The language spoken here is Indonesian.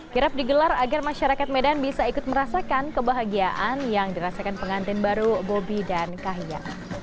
kirap digelar agar masyarakat medan bisa ikut merasakan kebahagiaan yang dirasakan pengantin baru bobi dan kahiyang